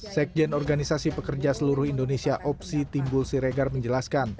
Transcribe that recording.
sekjen organisasi pekerja seluruh indonesia opsi timbul siregar menjelaskan